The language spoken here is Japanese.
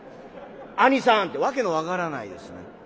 アニサン」って訳の分からないですね。